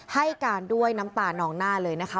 ให้การด้วยน้ำตานองหน้าเลยนะคะ